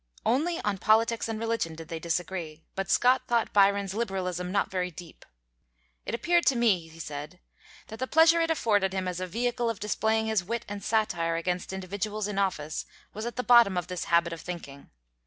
Only on politics and religion did they disagree, but Scott thought Byron's Liberalism not very deep: "It appeared to me," he said, "that the pleasure it afforded him as a vehicle of displaying his wit and satire against individuals in office was at the bottom of this habit of thinking.